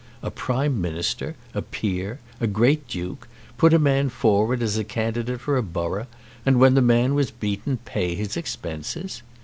A prime minister, a peer, a great duke, put a man forward as a candidate for a borough, and, when the man was beaten, pay his expenses!